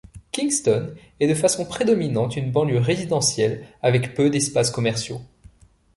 Kingston est de façon prédominante une banlieue résidentielle, avec peu d'espaces commerciaux.